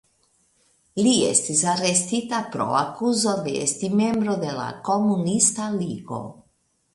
Li estis arestita pro akuzo de esti membro de la Komunista Ligo.